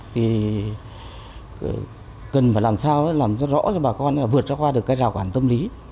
thì cần phải làm sao làm cho rõ cho bà con vượt qua được cái rào quản tâm lý